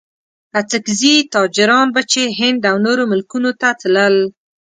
اڅګزي تاجران به چې هند او نورو ملکونو ته تلل.